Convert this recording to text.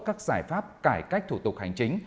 các giải pháp cải cách thủ tục hành chính